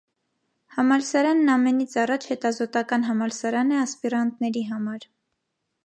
Համալսարանն ամենից առաջ հետազոտական համալսարան է ասպիրանտների համար։